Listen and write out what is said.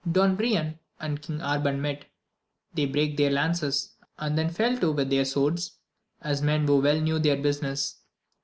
Don Brian and King Arban lAet ; they brake their lances, and then fell to with their swords, as men who well knew their business.